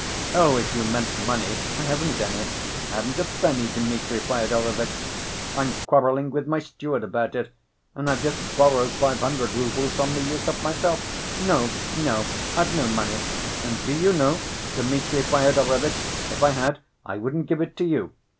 "Oh, if you meant money, I haven't any. I haven't a penny, Dmitri Fyodorovitch. I'm quarreling with my steward about it, and I've just borrowed five hundred roubles from Miüsov, myself. No, no, I've no money. And, do you know, Dmitri Fyodorovitch, if I had, I wouldn't give it to you.